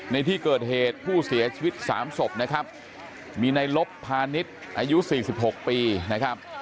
ในที่เกิดเหตุผู้เสียชีวิต๓ศพนะครับมีในลบพาณิชย์อายุ๔๖ปีนะครับ